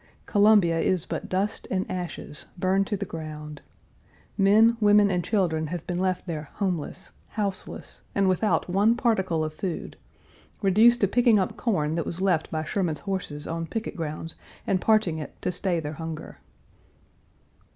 Columbia is but dust and ashes, burned to the ground. Men, women, and children have been left there homeless, houseless, and without one particle of food reduced to picking up corn that was left by Sherman's horses on picket grounds and parching it to stay their hunger.